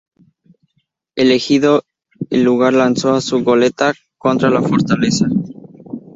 Elegido el lugar lanzó a su goleta contra la fortaleza.